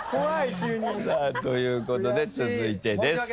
さあということで続いてです。